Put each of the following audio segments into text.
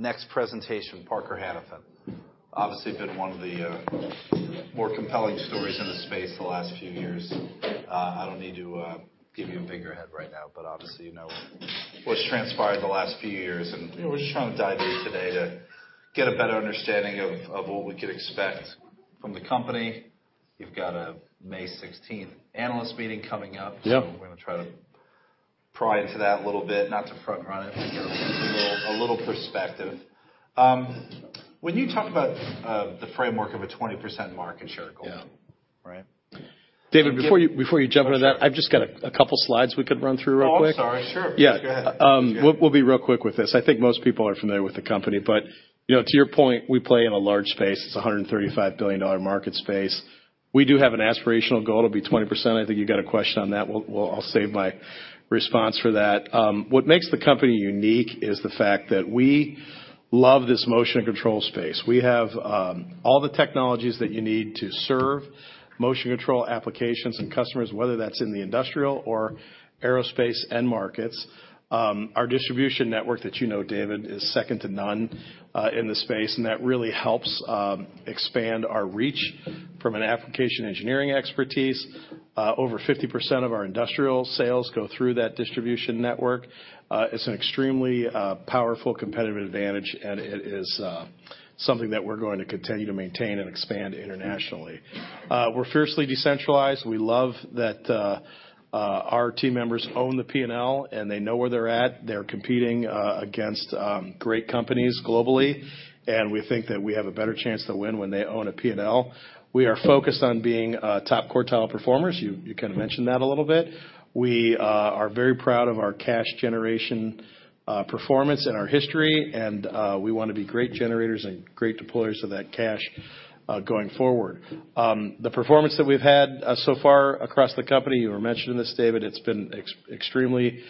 Next presentation, Parker Hannifin. Obviously, been one of the more compelling stories in the space the last few years. I don't need to give you a bigger head right now, but obviously, you know, what's transpired in the last few years, and, you know, we're just trying to dive in today to get a better understanding of what we could expect from the company. You've got a May sixteenth analyst meeting coming up. Yep. So we're gonna try to pry into that a little bit, not to front run it, but get a little perspective. When you talk about the framework of a 20% market share goal- Yeah. Right? David, before you, before you jump into that, I've just got a couple of slides we could run through real quick. Oh, I'm sorry. Sure. Yeah. Go ahead. We'll be real quick with this. I think most people are familiar with the company, but, you know, to your point, we play in a large space. It's a $135 billion market space. We do have an aspirational goal. It'll be 20%. I think you've got a question on that. We'll. Well, I'll save my response for that. What makes the company unique is the fact that we love this motion and control space. We have all the technologies that you need to serve motion control applications and customers, whether that's in the industrial or aerospace end markets. Our distribution network that you know, David, is second to none, in the space, and that really helps expand our reach from an application engineering expertise. Over 50% of our industrial sales go through that distribution network. It's an extremely powerful competitive advantage, and it is something that we're going to continue to maintain and expand internationally. We're fiercely decentralized. We love that our team members own the P&L, and they know where they're at. They're competing against great companies globally, and we think that we have a better chance to win when they own a P&L. We are focused on being a top quartile performers. You kind of mentioned that a little bit. We are very proud of our cash generation performance and our history, and we want to be great generators and great deployers of that cash going forward. The performance that we've had so far across the company, you were mentioning this, David, it's been extremely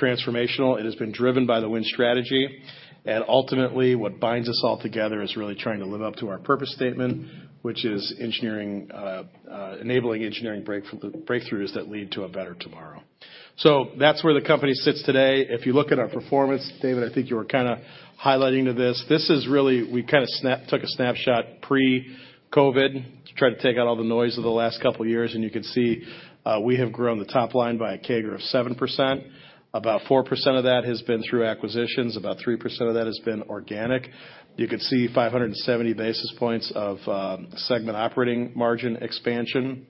transformational. It has been driven by The Win Strategy, and ultimately, what binds us all together is really trying to live up to our purpose statement, which is enabling engineering breakthroughs that lead to a better tomorrow. So that's where the company sits today. If you look at our performance, David, I think you were kind of highlighting to this. This is really. We kind of took a snapshot pre-COVID to try to take out all the noise of the last couple of years, and you can see we have grown the top line by a CAGR of 7%. About 4% of that has been through acquisitions, about 3% of that has been organic. You can see 570 basis points of segment operating margin expansion.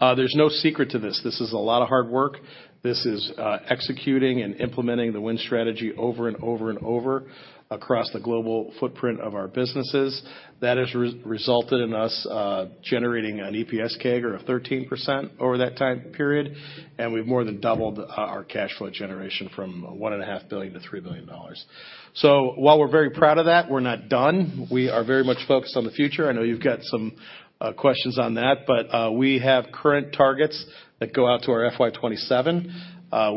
There's no secret to this. This is a lot of hard work. This is executing and implementing the Win Strategy over and over and over across the global footprint of our businesses. That has resulted in us generating an EPS CAGR of 13% over that time period, and we've more than doubled our cash flow generation from $1.5 billion to $3 billion. So while we're very proud of that, we're not done. We are very much focused on the future. I know you've got some questions on that, but we have current targets that go out to our FY 2027.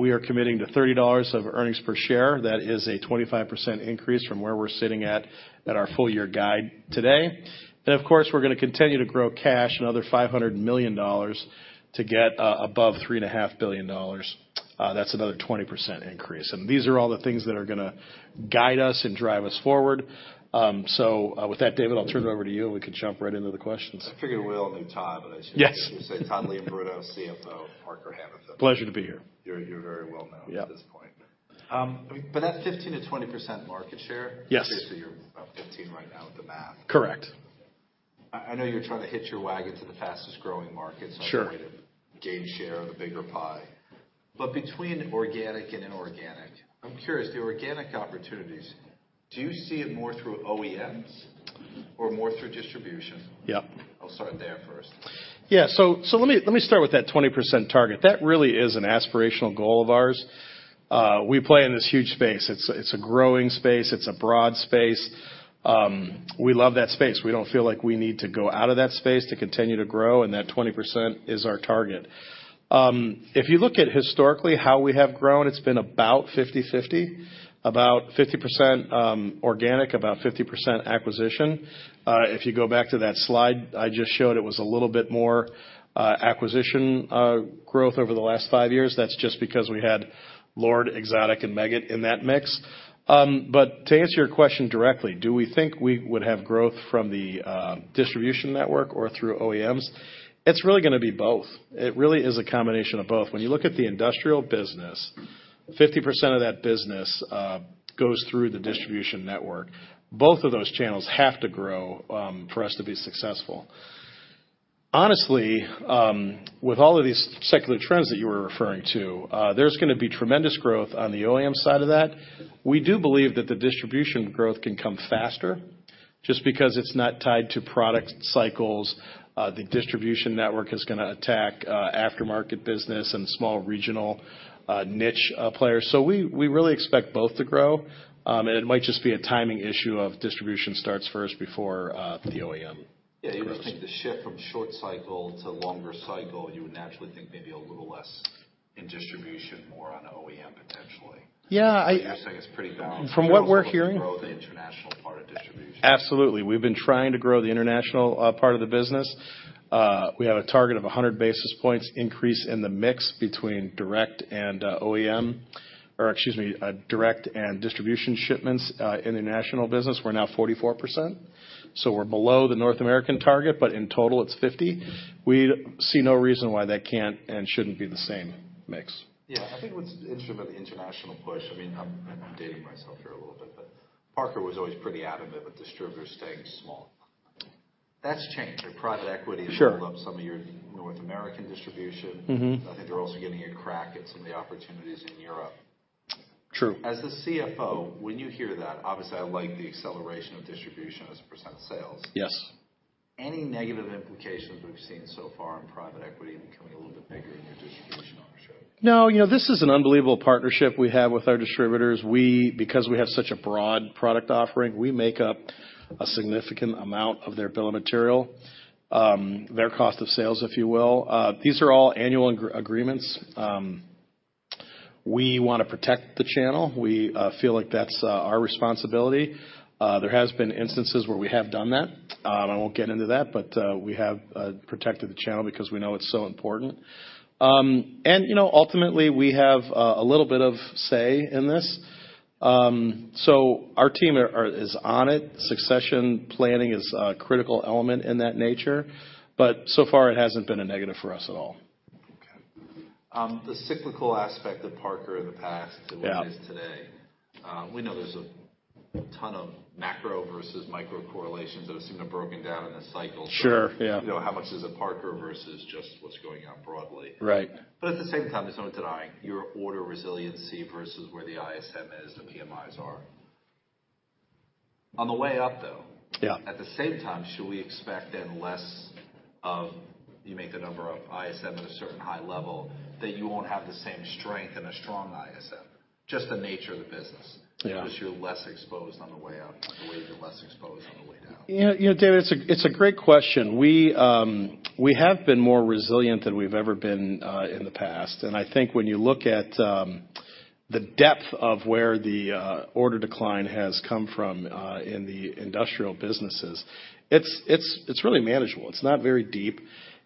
We are committing to $30 of earnings per share. That is a 25% increase from where we're sitting at our full year guide today. Then, of course, we're going to continue to grow cash another $500 million, to get above $3.5 billion. That's another 20% increase. And these are all the things that are gonna guide us and drive us forward. With that, David, I'll turn it over to you, and we can jump right into the questions. I figured we all knew Todd, but I just- Yes. Say Todd Leombruno, CFO, Parker Hannifin. Pleasure to be here. You're very well known- Yeah at this point. But that 15%-20% market share? Yes. Seriously, you're about 15 right now with the math. Correct. I know you're trying to hitch your wagon to the fastest-growing markets- Sure So you can gain share of a bigger pie. But between organic and inorganic, I'm curious, the organic opportunities, do you see it more through OEMs or more through distribution? Yep. I'll start there first. Yeah. So let me start with that 20% target. That really is an aspirational goal of ours. We play in this huge space. It's a growing space. It's a broad space. We love that space. We don't feel like we need to go out of that space to continue to grow, and that 20% is our target. If you look at historically how we have grown, it's been about 50/50, about 50% organic, about 50% acquisition. If you go back to that slide I just showed, it was a little bit more acquisition growth over the last 5 years. That's just because we had Lord, Exotic, and Meggitt in that mix. But to answer your question directly, do we think we would have growth from the distribution network or through OEMs? It's really gonna be both. It really is a combination of both. When you look at the industrial business, 50% of that business goes through the distribution network. Both of those channels have to grow for us to be successful. Honestly, with all of these secular trends that you were referring to, there's gonna be tremendous growth on the OEM side of that. We do believe that the distribution growth can come faster just because it's not tied to product cycles. The distribution network is gonna attack aftermarket business and small regional niche players. So we really expect both to grow, and it might just be a timing issue of distribution starts first before the OEM. Yeah, you would think the shift from short cycle to longer cycle, you would naturally think maybe a little less in distribution, more on OEM, potentially. Yeah, I- You're saying it's pretty balanced. From what we're hearing- To grow the international part of distribution. Absolutely. We've been trying to grow the international, part of the business. We have a target of 100 basis points increase in the mix between direct and, OEM.... or excuse me, direct and distribution shipments, in the international business, we're now 44%. So we're below the North American target, but in total, it's 50. We see no reason why that can't and shouldn't be the same mix. Yeah, I think what's interesting about the international push, I mean, I'm dating myself here a little bit, but Parker was always pretty adamant with distributors staying small. That's changed, and private equity- Sure. has built up some of your North American distribution. Mm-hmm. I think they're also getting a crack at some of the opportunities in Europe. True. As the CFO, when you hear that, obviously, I like the acceleration of distribution as a % of sales. Yes. Any negative implications we've seen so far in private equity becoming a little bit bigger in your distribution ownership? No, you know, this is an unbelievable partnership we have with our distributors. We, because we have such a broad product offering, we make up a significant amount of their bill of material, their cost of sales, if you will. These are all annual agreements. We want to protect the channel. We feel like that's our responsibility. There has been instances where we have done that. And I won't get into that, but we have protected the channel because we know it's so important. And, you know, ultimately, we have a little bit of say in this. So our team is on it. Succession planning is a critical element in that nature, but so far, it hasn't been a negative for us at all. Okay. The cyclical aspect of Parker in the past- Yeah to what it is today, we know there's a ton of macro versus micro correlations that have seemed to have broken down in the cycle. Sure, yeah. You know, how much is a Parker versus just what's going on broadly? Right. But at the same time, there's no denying your order resiliency versus where the ISM is, the PMIs are. On the way up, though. Yeah... at the same time, should we expect then less of, you make the number of ISM at a certain high level, that you won't have the same strength and a strong ISM, just the nature of the business? Yeah. Because you're less exposed on the way up, the way you're less exposed on the way down. You know, David, it's a great question. We have been more resilient than we've ever been in the past. And I think when you look at the depth of where the order decline has come from in the industrial businesses, it's really manageable. It's not very deep.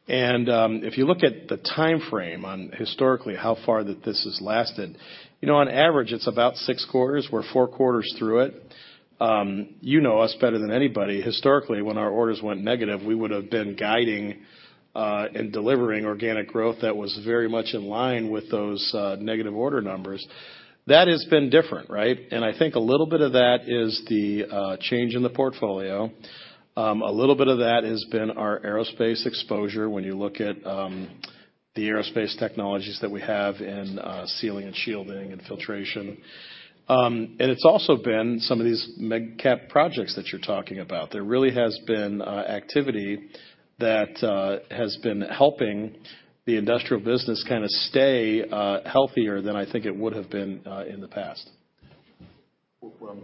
And if you look at the time frame on historically, how far that this has lasted, you know, on average, it's about six quarters. We're four quarters through it. You know us better than anybody. Historically, when our orders went negative, we would have been guiding and delivering organic growth that was very much in line with those negative order numbers. That has been different, right? And I think a little bit of that is the change in the portfolio. A little bit of that has been our aerospace exposure, when you look at the aerospace technologies that we have in sealing and shielding and filtration. And it's also been some of these mega-cap projects that you're talking about. There really has been activity that has been helping the industrial business kind of stay healthier than I think it would have been in the past. Well, what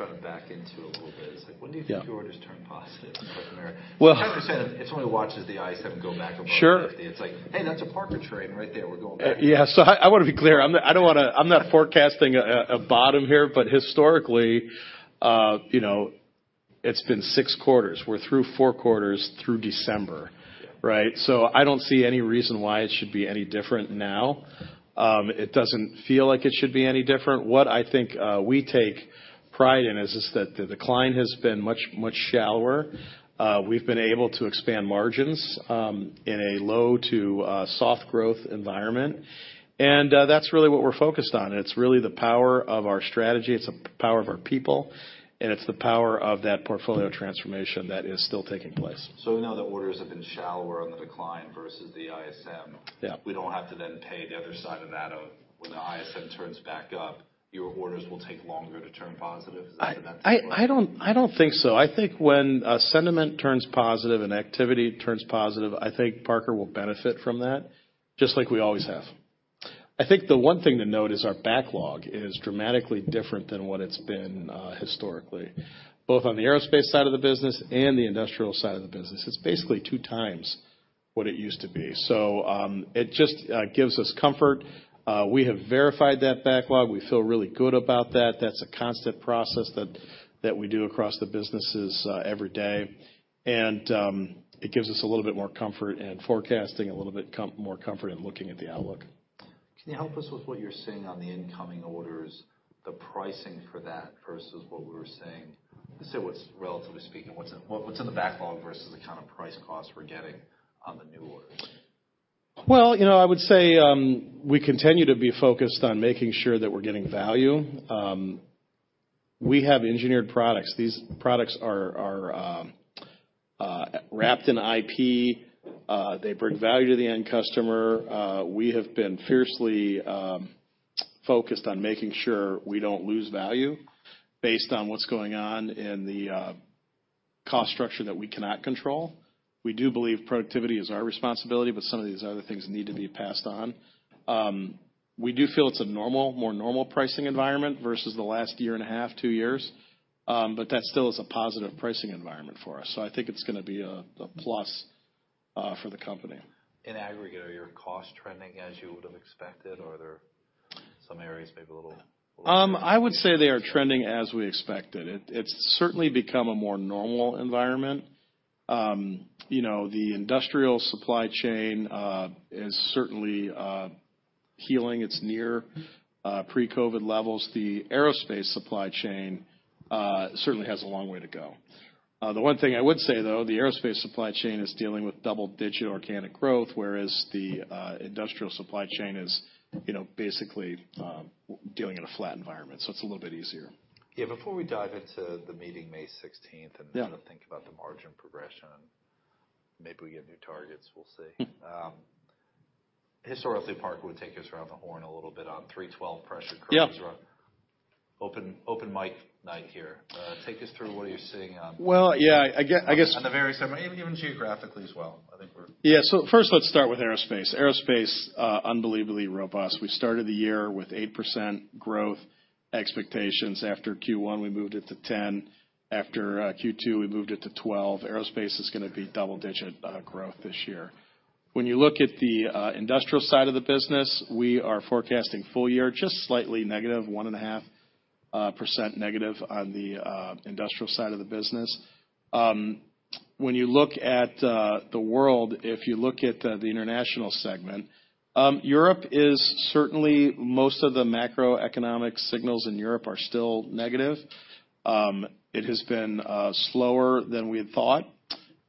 I'm trying to back into a little bit is, like- Yeah... when do you think your orders turn positive in North America? Well- 100%, if somebody watches the ISM go back above 50- Sure. It's like, "Hey, that's a Parker train right there. We're going back. Yeah. So I want to be clear, I don't want to—I'm not forecasting a bottom here, but historically, you know, it's been six quarters. We're through four quarters through December, right? Yeah. So I don't see any reason why it should be any different now. It doesn't feel like it should be any different. What I think we take pride in is that the decline has been much, much shallower. We've been able to expand margins in a low-to-soft growth environment, and that's really what we're focused on. It's really the power of our strategy, it's the power of our people, and it's the power of that portfolio transformation that is still taking place. We know the orders have been shallower on the decline versus the ISM. Yeah. We don't have to then pay the other side of that, when the ISM turns back up, your orders will take longer to turn positive? Is that fair to say? I don't think so. I think when sentiment turns positive and activity turns positive, I think Parker will benefit from that, just like we always have. I think the one thing to note is our backlog is dramatically different than what it's been historically, both on the aerospace side of the business and the industrial side of the business. It's basically two times what it used to be. So, it just gives us comfort. We have verified that backlog. We feel really good about that. That's a constant process that we do across the businesses every day. And it gives us a little bit more comfort in forecasting, a little bit more comfort in looking at the outlook. Can you help us with what you're seeing on the incoming orders, the pricing for that versus what we were seeing? Let's say, relatively speaking, what's in the backlog versus the kind of price cost we're getting on the new orders? Well, you know, I would say we continue to be focused on making sure that we're getting value. We have engineered products. These products are wrapped in IP. They bring value to the end customer. We have been fiercely focused on making sure we don't lose value based on what's going on in the cost structure that we cannot control. We do believe productivity is our responsibility, but some of these other things need to be passed on. We do feel it's a normal, more normal pricing environment versus the last year and a half, two years, but that still is a positive pricing environment for us, so I think it's gonna be a plus for the company. In aggregate, are your costs trending as you would have expected, or are there some areas maybe a little- I would say they are trending as we expected. It, it's certainly become a more normal environment. You know, the industrial supply chain is certainly healing. It's near pre-COVID levels. The aerospace supply chain certainly has a long way to go. The one thing I would say, though, the aerospace supply chain is dealing with double-digit organic growth, whereas the industrial supply chain is, you know, basically dealing in a flat environment, so it's a little bit easier. Yeah, before we dive into the meeting, May sixteenth- Yeah And then think about the margin progression, maybe we get new targets, we'll see. Hmm. Historically, Parker would take us around the horn a little bit on 3/12 pressure. Yeah. Open, open mic night here. Take us through what you're seeing on- Well, yeah, I again, I guess- On the very segment, even, even geographically as well. I think we're- Yeah. So first, let's start with Aerospace. Aerospace, unbelievably robust. We started the year with 8% growth expectations. After Q1, we moved it to 10. After Q2, we moved it to 12. Aerospace is gonna be double-digit growth this year. When you look at the Industrial side of the business, we are forecasting full year, just slightly negative, 1.5% negative on the Industrial side of the business. When you look at the world, if you look at the international segment, Europe is certainly most of the macroeconomic signals in Europe are still negative. It has been slower than we had thought.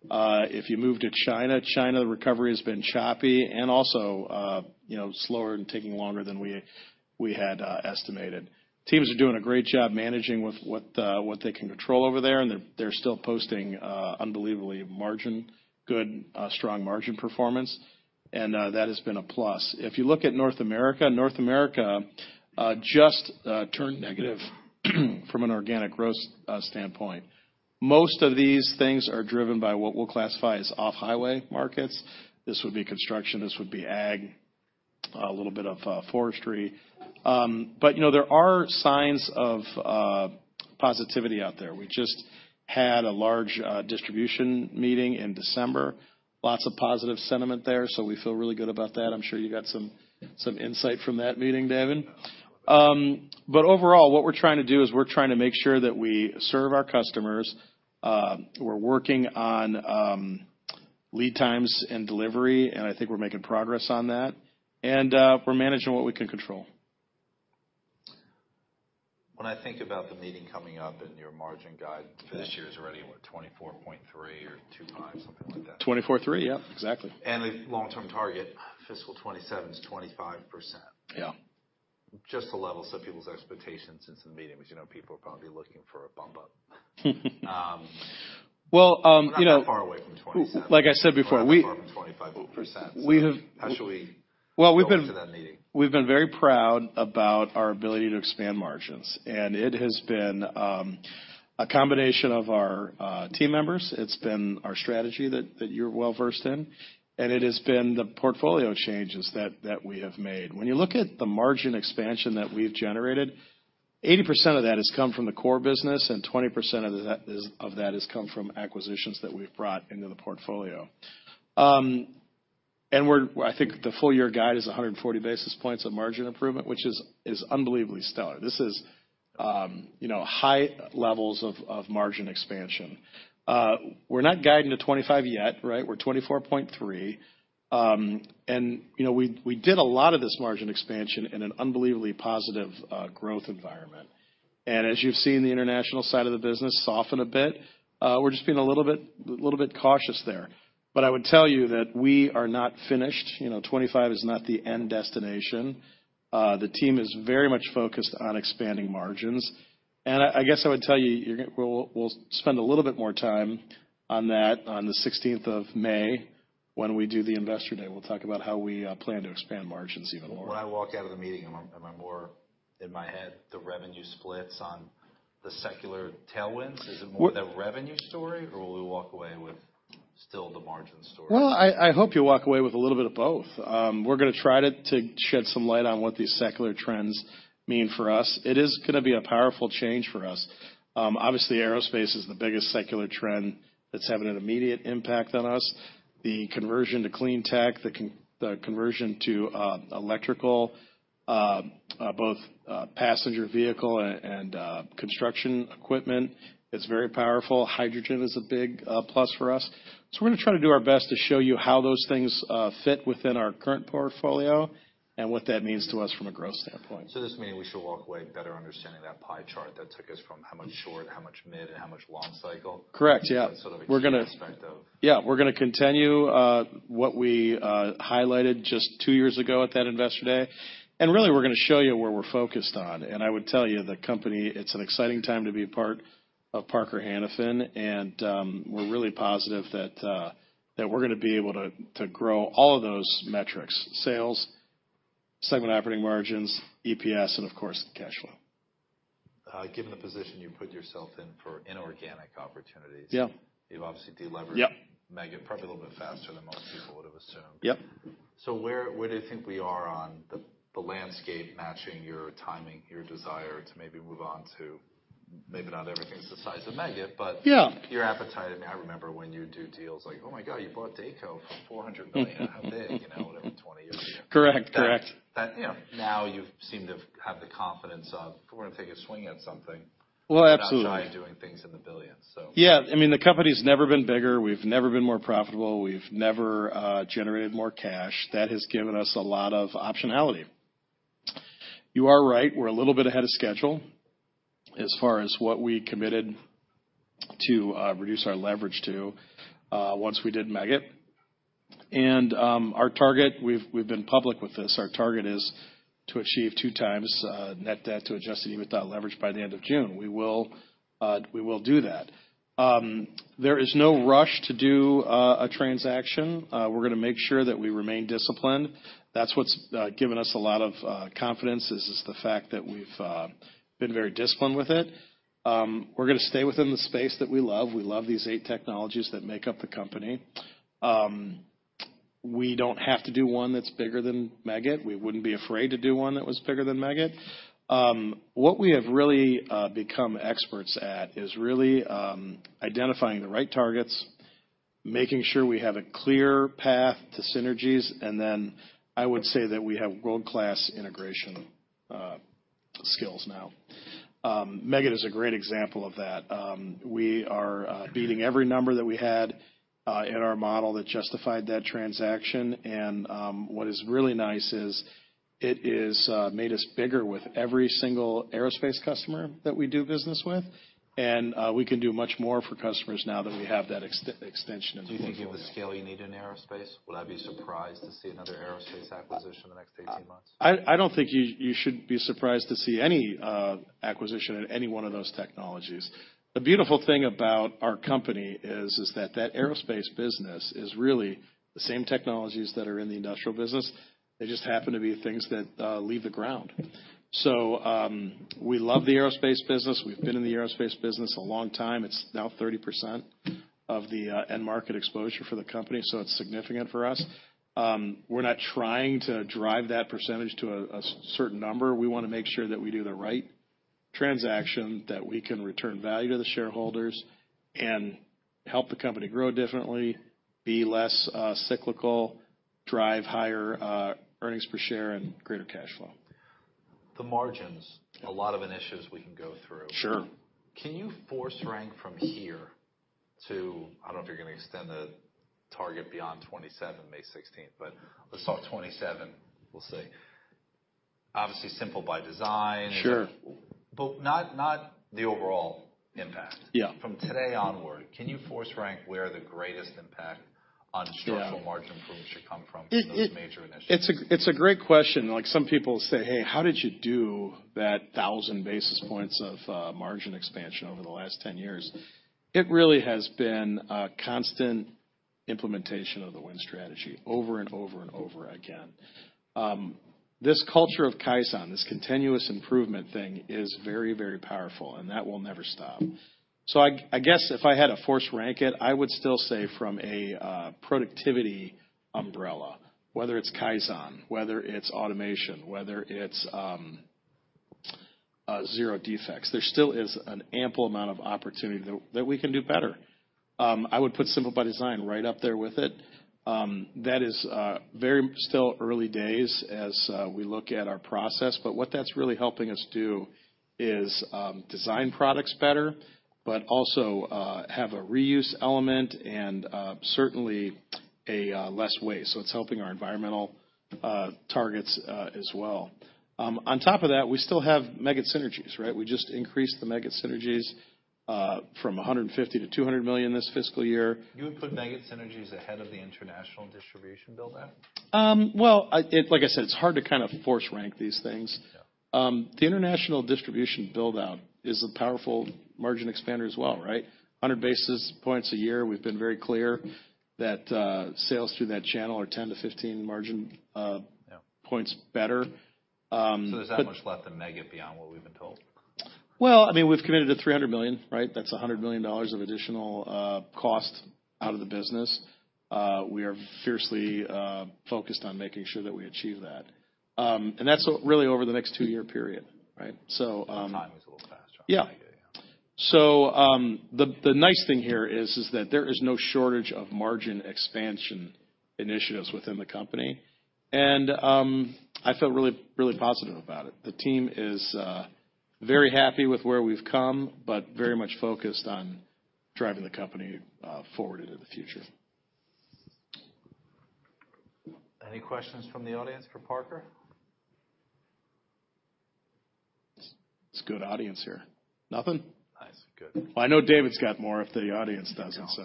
If you move to China, China, the recovery has been choppy and also, you know, slower and taking longer than we had estimated. Teams are doing a great job managing with what they can control over there, and they're still posting unbelievably good, strong margin performance, and that has been a plus. If you look at North America, it just turned negative from an organic growth standpoint. Most of these things are driven by what we'll classify as off-highway markets. This would be construction, this would be ag, a little bit of forestry. But you know, there are signs of positivity out there. We just had a large distribution meeting in December. Lots of positive sentiment there, so we feel really good about that. I'm sure you got some insight from that meeting, Devid. But overall, what we're trying to do is we're trying to make sure that we serve our customers. We're working on lead times and delivery, and I think we're making progress on that, and we're managing what we can control. When I think about the meeting coming up and your margin guide- Yeah —for this year is already, what? 24.3 or 25, something like that. 24 3, yep, exactly. The long-term target, fiscal 2027 is 25%. Yeah. Just to level some people's expectations in some meetings, you know, people are probably looking for a bump up. Well, you know- Not far away from 27. Like I said before, we- Twenty-five percent. We have- How should we- Well, we've been- Go into that meeting. We've been very proud about our ability to expand margins, and it has been a combination of our team members. It's been our strategy that you're well-versed in, and it has been the portfolio changes that we have made. When you look at the margin expansion that we've generated, 80% of that has come from the core business, and 20% of that has come from acquisitions that we've brought into the portfolio. I think the full-year guide is 140 basis points of margin improvement, which is unbelievably stellar. This is, you know, high levels of margin expansion. We're not guiding to 25 yet, right? We're 24.3. You know, we did a lot of this margin expansion in an unbelievably positive growth environment. As you've seen, the international side of the business soften a bit, we're just being a little bit, little bit cautious there. But I would tell you that we are not finished. You know, 25 is not the end destination. The team is very much focused on expanding margins. And I, I guess I would tell you, you're gonna... We'll, we'll spend a little bit more time on that on the sixteenth of May, when we do the Investor Day. We'll talk about how we plan to expand margins even more. When I walk out of the meeting, am I more, in my head, the revenue splits on the secular tailwinds? W- Is it more the revenue story, or will we walk away with still the margin story? Well, I, I hope you walk away with a little bit of both. We're gonna try to shed some light on what these secular trends mean for us. It is gonna be a powerful change for us. Obviously, aerospace is the biggest secular trend that's having an immediate impact on us. The conversion to clean tech, the conversion to electrical both passenger vehicle and construction equipment is very powerful. Hydrogen is a big plus for us. So we're gonna try to do our best to show you how those things fit within our current portfolio and what that means to us from a growth standpoint. So this meeting, we should walk away better understanding that pie chart that took us from how much short, how much mid, and how much long cycle? Correct, yeah. Sort of- We're gonna- Perspective. Yeah, we're gonna continue what we highlighted just two years ago at that Investor Day. Really, we're gonna show you where we're focused on. And I would tell you, the company, it's an exciting time to be a part of Parker Hannifin, and we're really positive that that we're gonna be able to to grow all of those metrics: sales, segment operating margins, EPS, and of course, cash flow. Given the position you put yourself in for inorganic opportunities- Yeah. You've obviously deleveraged- Yep Meggitt probably a little bit faster than most people would have assumed. Yep. So where do you think we are on the landscape matching your timing, your desire to maybe move on to, maybe not everything's the size of Meggitt, but- Yeah... your appetite, and I remember when you'd do deals like, "Oh, my God, you bought Dayco for $400 million." How big, you know, whatever, 20 years ago. Correct, correct. That, you know, now you seem to have the confidence of, "We're gonna take a swing at something. Well, absolutely. Not shy in doing things in the billions.... Yeah, I mean, the company's never been bigger. We've never been more profitable. We've never generated more cash. That has given us a lot of optionality. You are right, we're a little bit ahead of schedule as far as what we committed to reduce our leverage to once we did Meggitt. Our target, we've been public with this, our target is to achieve 2x net debt to Adjusted EBITDA leverage by the end of June. We will do that. There is no rush to do a transaction. We're gonna make sure that we remain disciplined. That's what's given us a lot of confidence is the fact that we've been very disciplined with it. We're gonna stay within the space that we love. We love these eight technologies that make up the company. We don't have to do one that's bigger than Meggitt. We wouldn't be afraid to do one that was bigger than Meggitt. What we have really become experts at is really identifying the right targets, making sure we have a clear path to synergies, and then I would say that we have world-class integration skills now. Meggitt is a great example of that. We are beating every number that we had in our model that justified that transaction, and what is really nice is, it is made us bigger with every single aerospace customer that we do business with, and we can do much more for customers now that we have that extension in the portfolio. Do you think you have the scale you need in aerospace? Would I be surprised to see another aerospace acquisition in the next 18 months? I don't think you should be surprised to see any acquisition in any one of those technologies. The beautiful thing about our company is that the aerospace business is really the same technologies that are in the industrial business. They just happen to be things that leave the ground. So we love the aerospace business. We've been in the aerospace business a long time. It's now 30% of the end market exposure for the company, so it's significant for us. We're not trying to drive that percentage to a certain number. We wanna make sure that we do the right transaction, that we can return value to the shareholders, and help the company grow differently, be less cyclical, drive higher earnings per share and greater cash flow. The margins, a lot of initiatives we can go through. Sure. Can you force rank from here to, I don't know if you're gonna extend the target beyond '27, May 16th, but let's talk '27, we'll say. Obviously, Simple by Design- Sure. but not, not the overall impact. Yeah. From today onward, can you force rank where the greatest impact on? Yeah Structural margin improvement should come from in those major initiatives? It's a great question. Like, some people say, "Hey, how did you do that 1,000 basis points of margin expansion over the last 10 years?" It really has been a constant implementation of The Win Strategy over and over and over again. This culture of Kaizen, this continuous improvement thing, is very, very powerful, and that will never stop. So I guess if I had to force rank it, I would still say from a productivity umbrella, whether it's Kaizen, whether it's automation, whether it's zero defects, there still is an ample amount of opportunity that we can do better. I would put Simple by Design right up there with it. That is very still early days as we look at our process, but what that's really helping us do is design products better, but also have a reuse element and certainly a less waste. So it's helping our environmental targets as well. On top of that, we still have Meggitt synergies, right? We just increased the Meggitt synergies from $150 million-$200 million this fiscal year. You would put Meggitt synergies ahead of the international distribution build-out? Well, like I said, it's hard to kind of force rank these things. Yeah. The international distribution build-out is a powerful margin expander as well, right? 100 basis points a year. We've been very clear that sales through that channel are 10-15 margin. Yeah... points better, but- There's that much left in Meggitt beyond what we've been told? Well, I mean, we've committed to $300 million, right? That's $100 million of additional cost out of the business. We are fiercely focused on making sure that we achieve that. And that's really over the next two-year period, right? So, The timing is a little faster. Yeah. Yeah. So, the nice thing here is that there is no shortage of margin expansion initiatives within the company, and I feel really, really positive about it. The team is very happy with where we've come, but very much focused on driving the company forward into the future. Any questions from the audience for Parker? It's a good audience here. Nothing? Nice. Good. I know David's got more if the audience doesn't, so.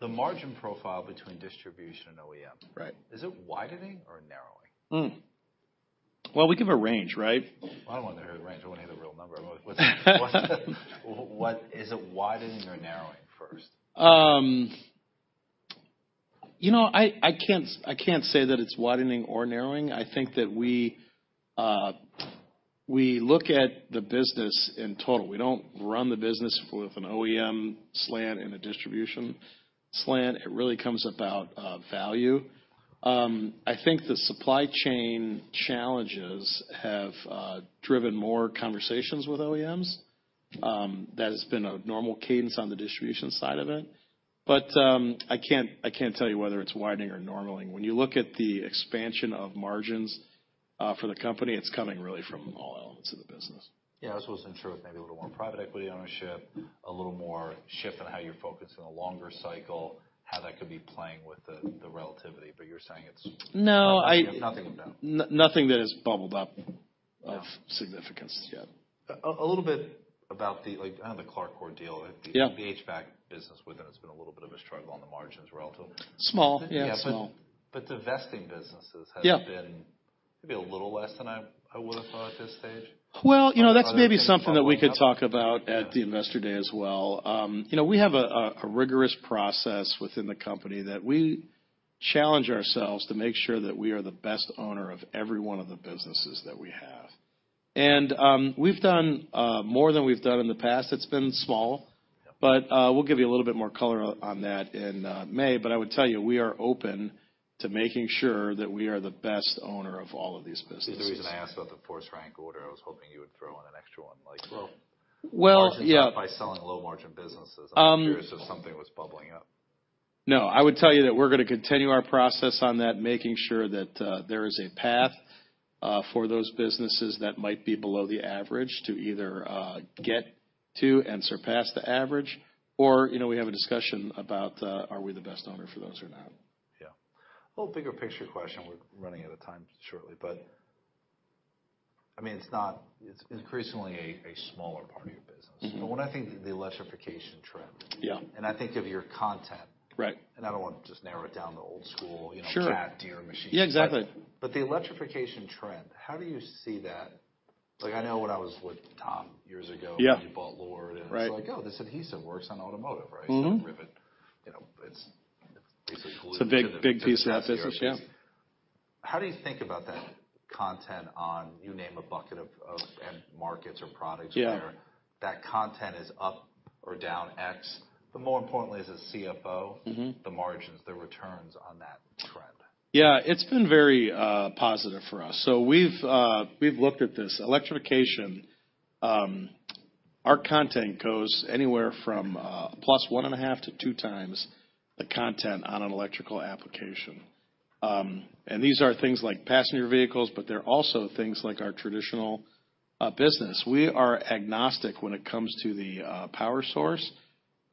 The margin profile between distribution and OEM- Right. Is it widening or narrowing? Well, we give a range, right? I don't want to hear the range. I want to hear the real number. What... is it widening or narrowing first? You know, I can't say that it's widening or narrowing. I think that we look at the business in total. We don't run the business with an OEM slant and a distribution slant. It really comes about, value. I think the supply chain challenges have driven more conversations with OEMs. That has been a normal cadence on the distribution side of it. But, I can't tell you whether it's widening or normalling. When you look at the expansion of margins, for the company, it's coming really from all elements of the business. Yeah, I was also sure if maybe a little more private equity ownership, a little more shift in how you're focused on a longer cycle, how that could be playing with the, the relativity, but you're saying it's- No, I- Nothing, no. Nothing that has bubbled up- No of significance yet. A little bit about the, like, kind of the Clarcor deal. Yeah. The HVAC business within has been a little bit of a struggle on the margins relatively. Small. Yeah, small. Yeah, but divesting businesses- Yeah Has been maybe a little less than I, I would have thought at this stage? Well, you know, that's maybe something that we could talk about at the Investor Day as well. You know, we have a rigorous process within the company that we challenge ourselves to make sure that we are the best owner of every one of the businesses that we have. We've done more than we've done in the past. It's been small. Yeah. But, we'll give you a little bit more color on that in May, but I would tell you, we are open to making sure that we are the best owner of all of these businesses. That's the reason I asked about the Force Rank order. I was hoping you would throw in an extra one, like- Well... Well, yeah. By selling low-margin businesses, I'm curious if something was bubbling up. No, I would tell you that we're gonna continue our process on that, making sure that there is a path for those businesses that might be below the average to either get to and surpass the average, or, you know, we have a discussion about are we the best owner for those or not? Yeah. A little bigger picture question. We're running out of time shortly, but, I mean, it's not, it's increasingly a smaller part of your business. Mm-hmm. But when I think the electrification trend- Yeah. I think of your content. Right. I don't want to just narrow it down to old school, you know- Sure... Cat, Deere machines. Yeah, exactly. But the electrification trend, how do you see that? Like, I know when I was with Tom years ago- Yeah... You bought Lord, and- Right -it's like, oh, this adhesive works on automotive, right? Mm-hmm. So rivet, you know, it's basically- It's a big, big piece of that business, yeah. How do you think about that content on, you name a bucket of end markets or products where- Yeah that content is up or down X, but more importantly, as a CFO. Mm-hmm the margins, the returns on that trend? Yeah, it's been very positive for us. So we've looked at this. Electrification, our content goes anywhere from +1.5-2 times the content on an electrical application. And these are things like passenger vehicles, but they're also things like our traditional business. We are agnostic when it comes to the power source.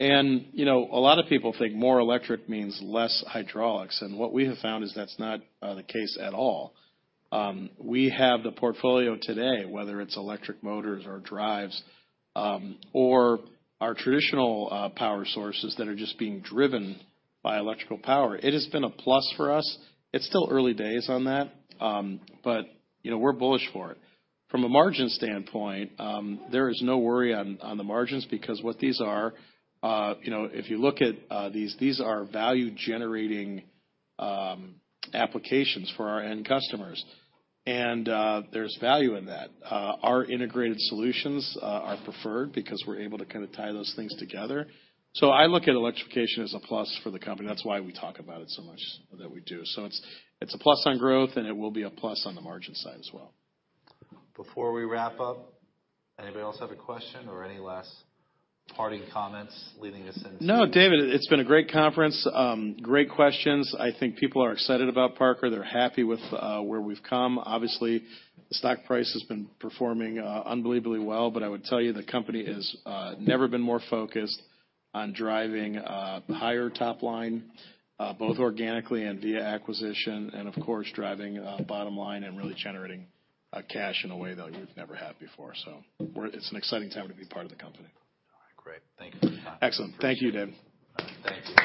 And, you know, a lot of people think more electric means less hydraulics, and what we have found is that's not the case at all. We have the portfolio today, whether it's electric motors or drives or our traditional power sources that are just being driven by electrical power. It has been a plus for us. It's still early days on that, but, you know, we're bullish for it. From a margin standpoint, there is no worry on the margins, because what these are, you know, if you look at these, these are value-generating applications for our end customers, and there's value in that. Our integrated solutions are preferred because we're able to kinda tie those things together. So I look at electrification as a plus for the company. That's why we talk about it so much, that we do. So it's a plus on growth, and it will be a plus on the margin side as well. Before we wrap up, anybody else have a question or any last parting comments leading us into? No, David, it's been a great conference. Great questions. I think people are excited about Parker. They're happy with where we've come. Obviously, the stock price has been performing unbelievably well, but I would tell you, the company has never been more focused on driving higher top line both organically and via acquisition, and of course, driving bottom line and really generating cash in a way that we've never had before. So it's an exciting time to be part of the company. All right, great. Thank you for your time. Excellent. Thank you, David. Thank you.